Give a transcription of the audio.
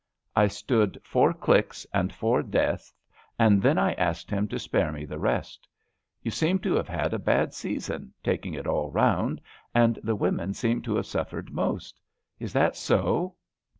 I stood four clicks and four deaths, and then I asked him to spare me the rest. You seem to have had a bad season, taking it all round, and the women seem to have suffered most Is that so?